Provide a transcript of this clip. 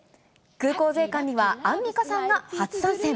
空港税関にはアンミカさんが初参戦。